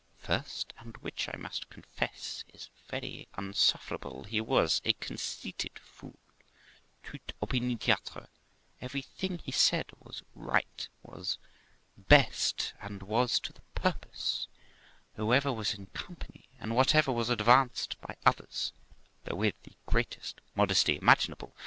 First, and which I must confess is very unsufferable, he was a conceited fool, tout opiniatre; everything he said was right, was best, and was to the purpose, whoever was in company, and whatever was advanced by others, though with the greatest modesty imaginable.